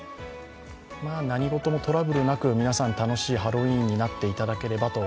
何事もトラブルなく楽しいハロウィーンになっていただければと。